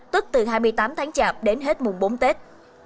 tức từ hai mươi tám tháng chạp đến hết mùng bốn tết